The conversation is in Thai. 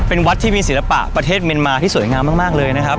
เป็นวัดที่มีศิลปะประเทศเมียนมาที่สวยงามมากเลยนะครับ